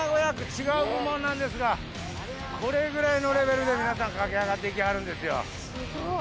違う部門なんですが、これぐらいのレベルで皆さん、駆け上がっていきはるんですよ。